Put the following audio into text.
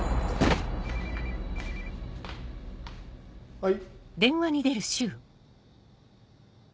⁉はい。